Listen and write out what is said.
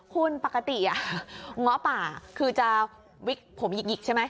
คุณปกติง้อป่าคือจะวิกผมหยิกใช่ไหม